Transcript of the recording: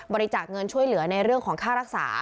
บริจาคเงินช่วยเหลือในเรื่องของค่ารักษา